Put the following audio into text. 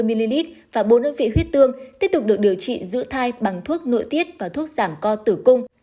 hai trăm năm mươi ml và bốn ơn vị huyết tương tiếp tục được điều trị giữ thai bằng thuốc nội tiết và thuốc giảm co tử cung